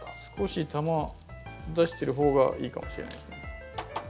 少し球出してる方がいいかもしれないですね。